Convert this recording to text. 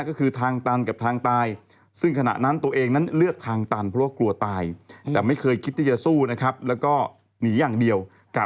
ก็คือทางตันกับทางตาย